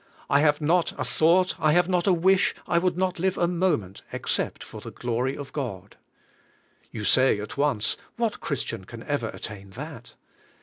I have not a thought ; I have not a wish ; I would not live a moment except for the glory of God." You say at once, "What Christian can ever at tain that